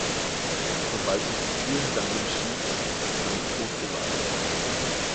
Sobald sich die Tür hinter einem schließt, ist man dem Tod geweiht.